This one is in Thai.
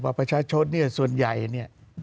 ว่าประชาชนส่วนใหญ่